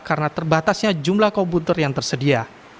karena terbatasnya jumlah komputer yang tersedia